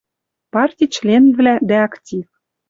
Парти членвлӓ дӓ актив.